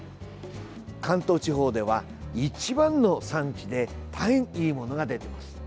関東地方では一番の産地で大変いいものが出ています。